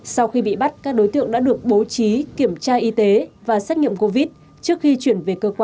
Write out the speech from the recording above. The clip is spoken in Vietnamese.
sau khi bị bắt các đối tượng đã được bố trí kiểm tra y tế và xét nghiệm covid trước khi chuyển về cơ quan để xử lý